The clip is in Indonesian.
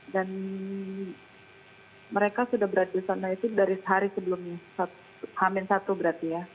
dan mereka sudah berada di sana itu dari hari sebelumnya hamil satu berarti ya